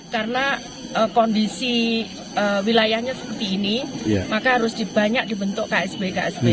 karena kondisi wilayahnya seperti ini maka harus banyak dibentuk ksb ksb